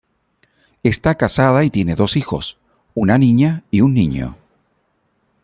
Está casada y tiene dos hijos, una niña y un niño.